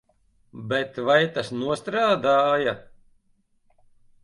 Bet vai tas nostrādāja?